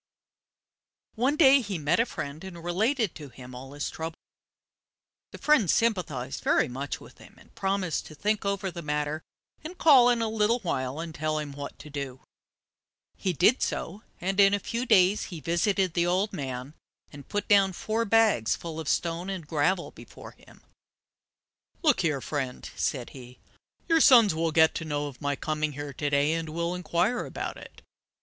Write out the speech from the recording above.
One day he met a friend and related to him all his troubles. The friend sympathized very much with him, and promised to think over the matter, and call in a little while and tell him what to do. He did so; in a few days he visited the old man and put down four bags full of stones and gravel before him. "Look here, friend," said he. "Your sons will get to know of my coming here to day, and will inquire about it.